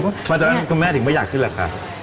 มาจากนั้นคุณแม่ถึงไม่อยากขึ้นหรือคะ